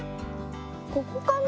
ここかな？